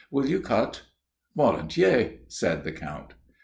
Will you cut?" "Volontiers," said the Count.